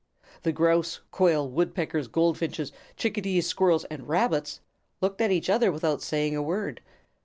The Grouse, Quail, Woodpeckers, Goldfinches, Chickadees, Squirrels, and Rabbits looked at each other without saying a word.